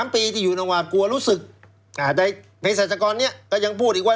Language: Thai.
๑๓ปีที่อยู่อย่างหวาดกลัวรู้สึกเพศศัตริยากรเนี่ยก็ยังพูดอีกว่า